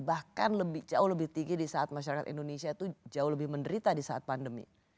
bahkan jauh lebih tinggi di saat masyarakat indonesia itu jauh lebih menderita di saat pandemi